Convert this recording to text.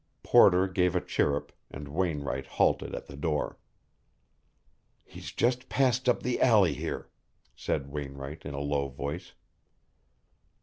Porter gave a chirrup, and Wainwright halted at the door. "He's just passed up the alley here," said Wainwright in a low voice.